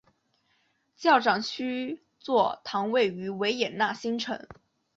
教长区座堂位于维也纳新城。